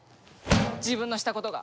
自分のしたことが。